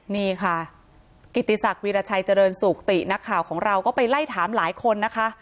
นี่ค่ะกิติศักดิราชัยเจริญสุขตินักข่าวของเราก็ไปไล่ถามหลายคนนะคะ